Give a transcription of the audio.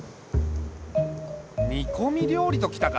煮こみ料理と来たか。